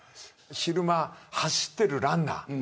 昼間、走っているランナー。